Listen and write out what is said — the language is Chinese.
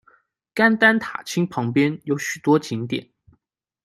甘丹塔钦旁边有许多景点。